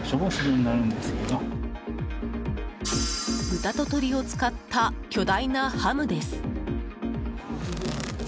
豚と鶏を使った巨大なハムです。